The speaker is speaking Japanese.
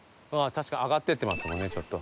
確かに上がっていってますもんねちょっと。